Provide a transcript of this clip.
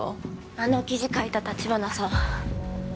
あの記事書いた橘さん